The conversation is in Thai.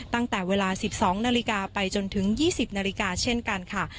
ตั้งแต่เวลาสิบสองนาฬิกาไปจนถึงยี่สิบนาฬิกาเช่นกันค่ะ